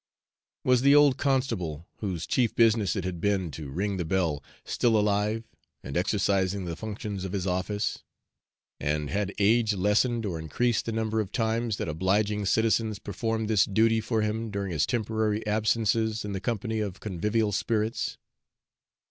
Was the old constable, whose chief business it had been to ring the bell, still alive and exercising the functions of his office, and had age lessened or increased the number of times that obliging citizens performed this duty for him during his temporary absences in the company of convivial spirits?